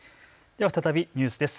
では再びニュースです。